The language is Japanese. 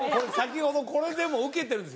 これでもうウケてるんです